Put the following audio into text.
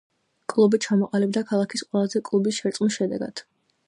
კლუბი ჩამოყალიბდა ქალაქის ყველა კლუბის შერწყმის შედეგად.